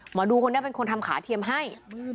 หมอดูคนนี้เป็นคนทำขาเทียมให้